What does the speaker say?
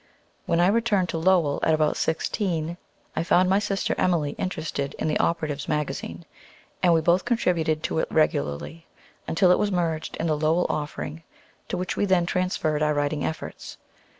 When I returned to Lowell, at about sixteen, I found my sister Emilie interested in the "Operatives' Magazine," and we both contributed to it regularly, until it was merged in the "Lowell Offering," to which we then transferred our writing efforts.